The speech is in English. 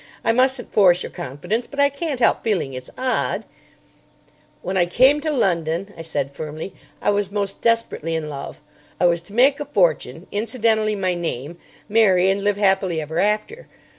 "I mustn't force your confidence; but I can't help feeling it's odd——" "When I came to London," I said, firmly, "I was most desperately in love. I was to make a fortune, incidentally my name, marry, and live happily ever after.